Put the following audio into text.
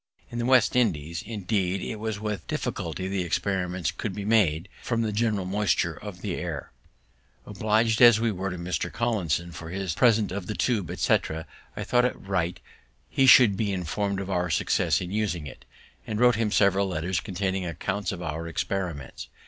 In the West India islands, indeed, it was with difficulty the experiments could be made, from the general moisture of the air. Oblig'd as we were to Mr. Collinson for his present of the tube, etc., I thought it right he should be inform'd of our success in using it, and wrote him several letters containing accounts of our experiments.